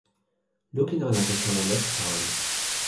lukin ona li kama lete tawa mi.